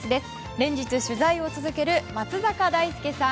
連日取材を続ける松坂大輔さん。